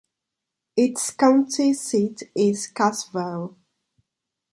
Its county seat is Cassville.